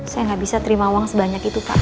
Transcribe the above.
saya nggak bisa terima uang sebanyak itu pak